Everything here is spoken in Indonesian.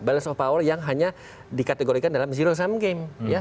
baless of power yang hanya dikategorikan dalam zero sum game